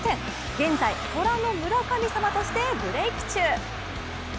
現在、虎の村神様としてブレイク中。